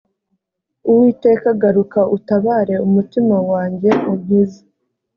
uwiteka garuka utabare umutima wanjye unkize.